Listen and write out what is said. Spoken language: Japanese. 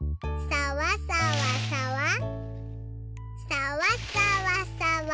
さわさわさわ。